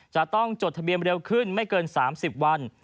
จดทะเบียนเร็วขึ้นไม่เกิน๓๐วัน